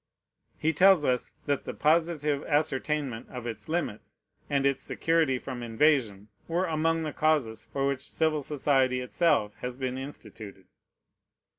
He tells us that the positive ascertainment of its limits, and its security from invasion, were among the causes for which civil society itself has been instituted.